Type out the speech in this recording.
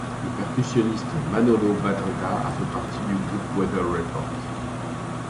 Le percussionniste Manolo Badrena a fait partie du groupe Weather Report.